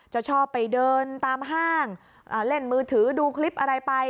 จะชอบไปเดินตามห้างเล่นมือถือดูคลิปอะไรไป